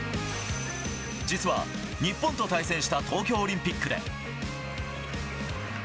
実は日本と対戦した東京オリンピックで。